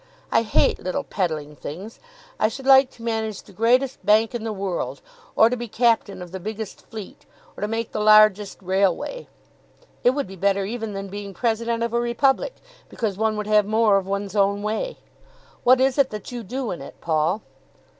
I hate little peddling things. I should like to manage the greatest bank in the world, or to be Captain of the biggest fleet, or to make the largest railway. It would be better even than being President of a Republic, because one would have more of one's own way. What is it that you do in it, Paul?"